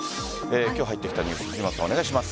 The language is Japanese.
今日入ってきたニュース藤本さん、お願いします。